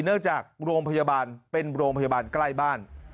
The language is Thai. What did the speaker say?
เนื่องจากโรงพยาบาลเป็นโรงพยาบาลใกล้บ้าน